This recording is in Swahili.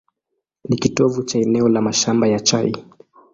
Ni kitovu cha eneo la mashamba ya chai.